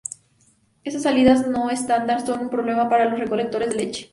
Esas salidas no estándar son un problema para los recolectores de leche.